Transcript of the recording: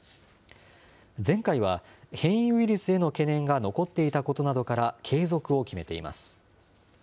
前回は、変異ウイルスへの懸念が残っていたことなどから継続を決めています。